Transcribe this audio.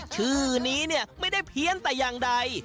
ชื่อนี้เนี่ยไม่ได้เพี้ยนแต่อย่างใด